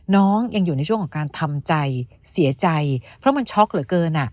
น้องยังอยู่ในช่วงของการทำใจเสียใจเพราะมันช็อกเหลือเกิน